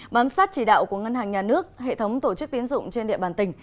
bám sát chỉ đạo của ngân hàng nhà nước hệ thống tổ chức tiến dụng trên địa bàn tỉnh